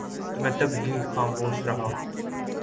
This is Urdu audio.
تو میں تب بھی خاموش رہا